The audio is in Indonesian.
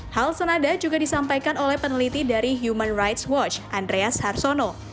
hal senada juga disampaikan oleh peneliti dari human rights watch andreas harsono